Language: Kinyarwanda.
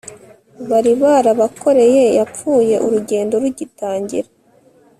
bari barabakoreye yapfuye urugendo rugitangira